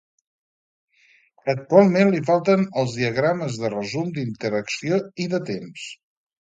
Actualment li falten els diagrames de resum d'interacció i de temps.